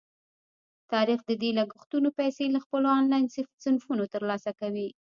طارق د دې لګښتونو پیسې له خپلو آنلاین صنفونو ترلاسه کوي.